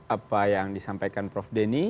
apa yang disampaikan prof denny